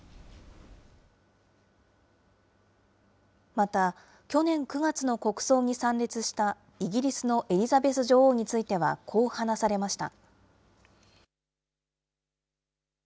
また、去年９月の国葬に参列したイギリスのエリザベス女王については、こう話されました。